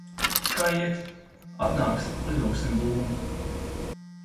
Kā iet? Atnāksi, uzvilksim dūmu?